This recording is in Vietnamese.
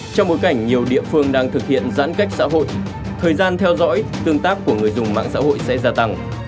trong bối cảnh nhiều địa phương đang thực hiện giãn cách xã hội thời gian theo dõi tương tác của người dùng mạng xã hội sẽ gia tăng